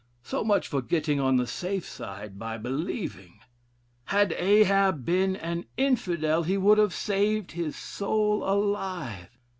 So much for getting on the safe side by believing. Had Ahab been an Infidel, he would have saved his soul alive.